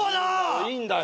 いいんだよ。